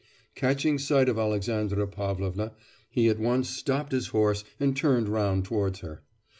Catching sight of Alexandra Pavlovna he at once stopped his horse and turned round towards her.